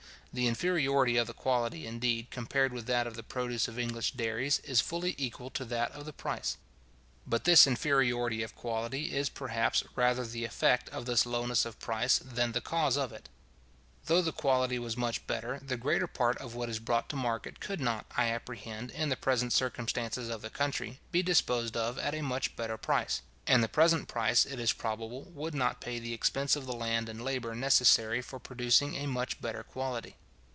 The inferiority of the quality, indeed, compared with that of the produce of English dairies, is fully equal to that of the price. But this inferiority of quality is, perhaps, rather the effect of this lowness of price, than the cause of it. Though the quality was much better, the greater part of what is brought to market could not, I apprehend, in the present circumstances of the country, be disposed of at a much better price; and the present price, it is probable, would not pay the expense of the land and labour necessary for producing a much better quality.